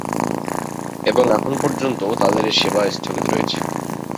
এবং এখন পর্যন্ত তাদের এ সেবা স্থগিত রয়েছে।